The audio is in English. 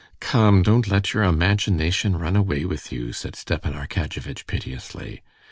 "Come, don't let your imagination run away with you," said Stepan Arkadyevitch piteously.